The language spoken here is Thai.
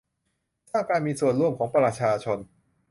สร้างการมีส่วนร่วมของประชาชน